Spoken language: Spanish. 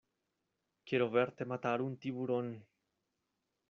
quiero verte matar un tiburón.